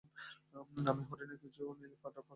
আমি হরিণের পিছু নিলে মাঠ ফাঁকা হয়ে যাবে।